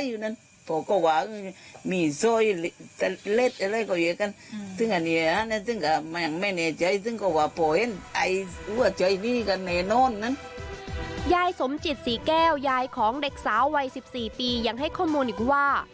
ยายสมจิตศรีแก้วยายของเด็กสาววัย๑๔ปียังให้ข้อมูลอีกว่า